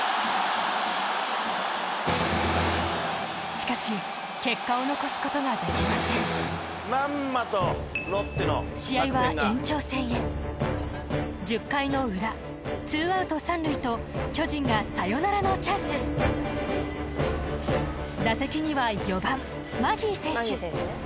しかし結果を残すことができません試合は延長戦へ１０回の裏２アウト３塁と巨人がサヨナラのチャンス打席には４番マギー選手